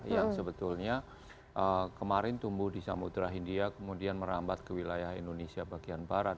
yang sebetulnya kemarin tumbuh di samudera india kemudian merambat ke wilayah indonesia bagian barat